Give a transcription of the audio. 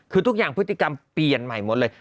คือทุกอย่างพฤติกรรมเปลี่ยนใหม่หมดเลย